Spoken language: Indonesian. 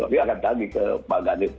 jadi akan tagih ke pak ghanib